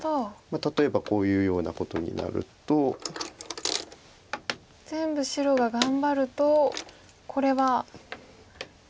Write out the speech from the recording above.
例えばこういうようなことになると。全部白が頑張るとこれは逆に。